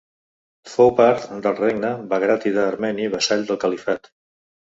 Fou part del regne bagràtida armeni vassall del califat.